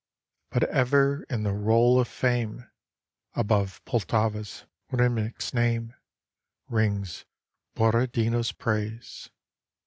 But ever in the roll of Fame, Above Poltava's, Rymnik's name Rings Borodino's praise.